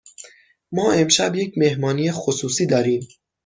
ما امشب یک مهمانی خصوصی داریم.